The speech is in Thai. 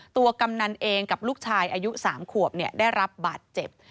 กำนันเองกับลูกชายอายุ๓ขวบได้รับบาดเจ็บ